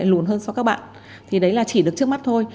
lùn hơn so với các bạn thì đấy là chỉ được trước mắt thôi